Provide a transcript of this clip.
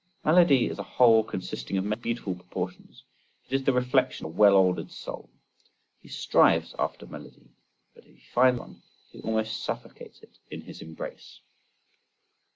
Melody is a whole consisting of many beautiful proportions, it is the reflection of a well ordered soul. He strives after melody; but if he finds one, he almost suffocates it in his embrace.